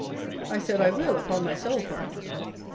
I said, I will, upon my soul, farmer.